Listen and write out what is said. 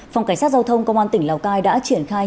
phòng cảnh sát giao thông công an tỉnh lào cai đã triển khai